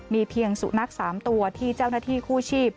มีเพียงสุนัข๓ตัวที่เจ้าหน้าที่กู้ชีพ